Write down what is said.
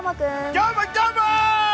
どーも、どーも！